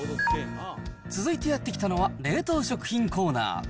続いてやって来たのは冷凍食品コーナー。